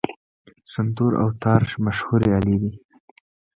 سنتور او تار مشهورې الې دي.